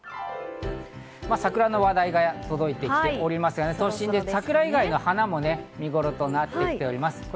桜の話題が届いてきておりますが、都心で桜以外の花も見ごろとなってきております。